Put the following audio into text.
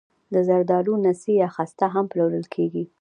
د زردالو نڅي یا خسته هم پلورل کیږي.